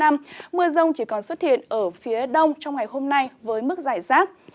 mưa rông chỉ còn xuất hiện ở phía đông trong ngày hôm nay với mức giải rác